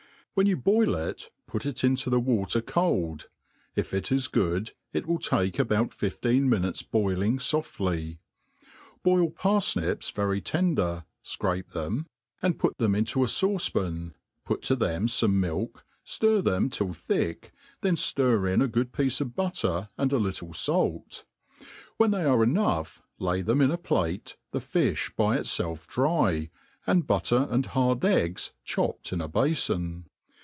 When you boil it, put it into the water cold ; if it is good, it will take about fifteen ininutes boiling . jfoftly. Boil parihips vdty tender; fcrape them, and put them '"•' N 4 ioto lUiL ] it4 THE ART OF COOKERY » intq 91 fauce pan, put to them feme millet ftir them till chiclr^ then ftir in a good piece of butter, and a little fait ; iivhen tfiey are enough lay them in a plate, the fllh by itffelf dry, ^nd but ter and hard eggg chopped in a bafon.